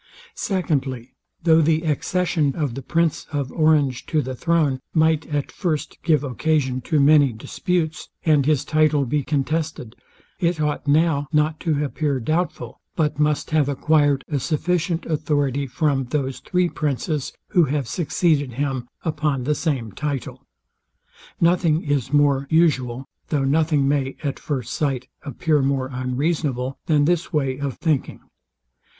Secondly, Though the accession of the Prince of Orange to the throne might at first give occasion to many disputes, and his title be contested, it ought not now to appear doubtful, but must have acquired a sufficient authority from those three princes, who have succeeded him upon the same title. Nothing is more usual, though nothing may, at first sight, appear more unreasonable, than this way of thinking.